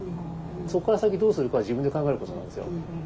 そこから先どうするかは自分で考えることなんですよ。